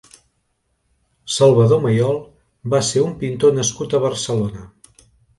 Salvador Mayol va ser un pintor nascut a Barcelona.